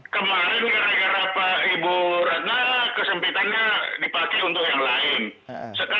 kemarin era era pak ibu ratna kesempitannya dipakai untuk yang lain